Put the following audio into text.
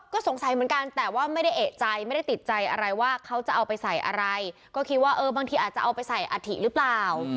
ก็สงสัยเหมือนกันแต่ว่าไม่ได้เอกใจไม่ได้ติดใจอะไรว่าเขาจะเอาไปใส่อะไรก็คิดว่าเออบางทีอาจจะเอาไปใส่อัฐิหรือเปล่า